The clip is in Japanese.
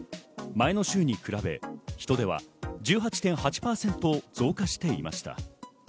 前の週に比べ、人出は１８．８％増加していました。